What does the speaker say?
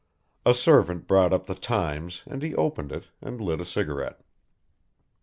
A servant brought up the Times and he opened it, and lit a cigarette.